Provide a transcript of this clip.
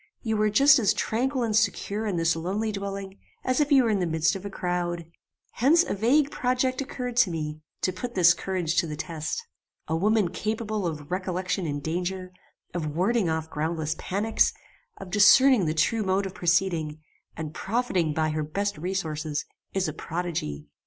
You were just as tranquil and secure in this lonely dwelling, as if you were in the midst of a crowd. Hence a vague project occurred to me, to put this courage to the test. A woman capable of recollection in danger, of warding off groundless panics, of discerning the true mode of proceeding, and profiting by her best resources, is a prodigy.